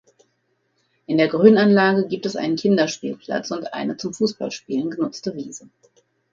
In der Grünanlage gibt es einen Kinderspielplatz und eine zum Fußballspielen genutzte Wiese.